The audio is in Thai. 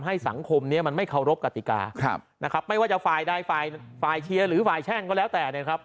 ทำให้สังคมเนี่ยมันไม่เคารพกติกานะครับไม่ว่าจะไฟล์ได้ไฟล์ไฟล์เชียร์หรือไฟล์แช่งก็แล้วแต่เนี่ยครับ